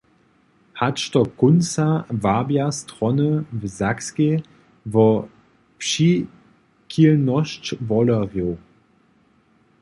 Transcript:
Hač do kónca wabja strony w Sakskej wo přichilnosć wolerjow.